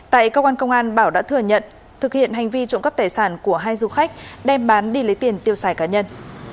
tại cơ quan công an bảo đã thừa nhận thực hiện hành vi trộm cắp tài sản của hai du khách đem bán đi lấy tiền tiêu xài cá nhân